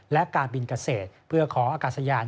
และการบินเกษตรเพื่อขออากาศยาน